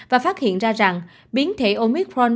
và phát hiện ra rằng biến thể omicron